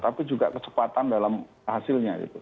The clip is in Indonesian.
tapi juga kecepatan dalam hasilnya gitu